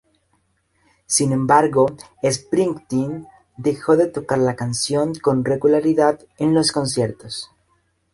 Sin embargo, Springsteen dejó de tocar la canción con regularidad en sus conciertos.